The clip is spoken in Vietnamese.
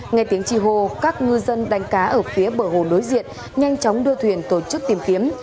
nghe tiếng chi hô các ngư dân đánh cá ở phía bờ hồ đối diện nhanh chóng đưa thuyền tổ chức tìm kiếm